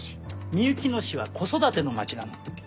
みゆきの市は「子育ての街」なの。